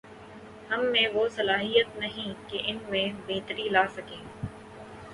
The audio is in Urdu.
ہم میں وہ صلاحیت ہی نہیں کہ ان میں بہتری لا سکیں۔